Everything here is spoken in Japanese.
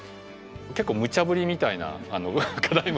結構むちゃぶりみたいな課題も来て